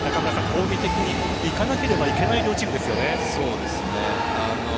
攻撃的にいかなければいけない両チームですよね。